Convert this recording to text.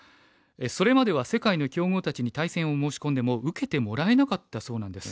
それまでは世界の強豪たちに対戦を申し込んでも受けてもらえなかったそうなんです。